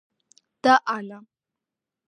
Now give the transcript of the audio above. და ანა